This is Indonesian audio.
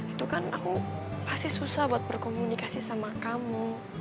itu kan aku pasti susah buat berkomunikasi sama kamu